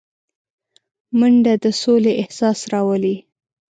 منډه د سولې احساس راولي